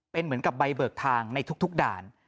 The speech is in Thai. เป็นเหมือนกับใบเบิกทางในทุกด่าน